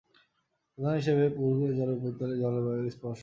উদাহরণ হিসেবে, পুকুরের জলের উপরিতলে জল ও বায়ুর সংস্পর্শ থাকে।